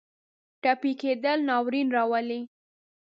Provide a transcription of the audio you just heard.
ټپي کېدل ناورین راولي.